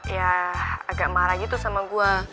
ya agak marah gitu sama gue